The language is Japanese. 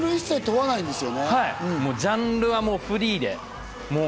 ジャンルはフリーで。